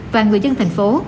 và người dân thành phố